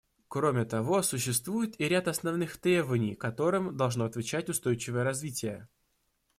Кроме того, существует и ряд основных требований, которым должно отвечать устойчивое развитие.